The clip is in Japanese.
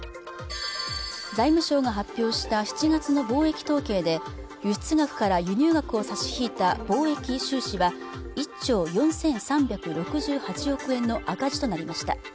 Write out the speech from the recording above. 財務省が発表した７月の貿易統計で輸出額から輸入額を差し引いた貿易収支は１兆４３６８億円の赤字となりました